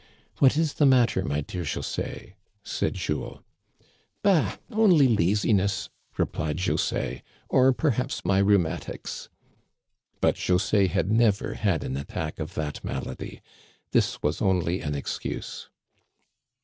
" What is the matter, my dear José ?" said Jules. "Bah ! only laziness," replied José, "or perhaps my rheumatics." But José had never had an attack of that malady. This was only an excuse.